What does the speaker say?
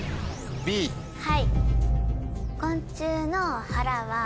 はい。